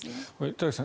田崎さん